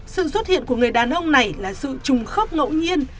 sự xuất hiện của người đàn ông này là sự trùng khớp ngẫu nhiên